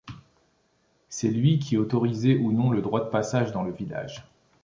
C'est lui qui autorisait ou non le droit de passage dans le village.